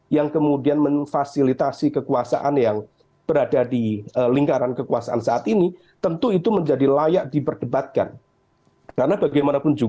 yang kemudian memfasilitasi kekuasaan yang berada di lingkaran kekuasaan saat ini